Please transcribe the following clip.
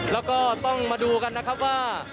แล้วก็ต้องมาดูกันนะครับว่า